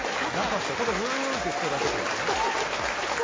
ただ、ウーンっていってただけってこと？